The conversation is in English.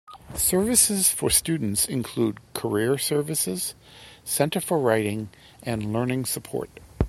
Services for students include Career Services, Center for Writing and Learning Support.